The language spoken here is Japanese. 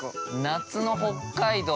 ◆夏の北海道。